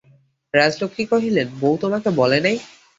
রাজলক্ষ্মী কহিলেন, বউ তোমাকে বলে নাই?